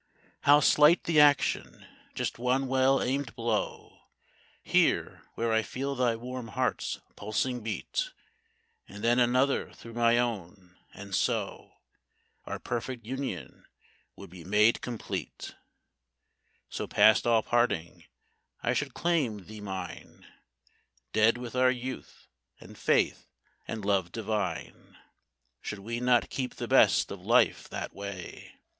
How slight the action! Just one well aimed blow Here where I feel thy warm heart's pulsing beat, And then another through my own, and so Our perfect union would be made complete: So past all parting, I should claim thee mine. Dead with our youth, and faith, and love divine, Should we not keep the best of life that way?